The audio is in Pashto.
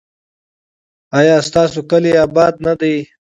ایا ستاسو کلی اباد نه دی؟